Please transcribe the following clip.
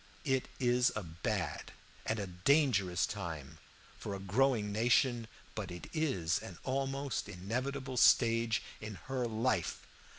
It is a bad and a dangerous time for a growing nation, but it is an almost inevitable stage in her life.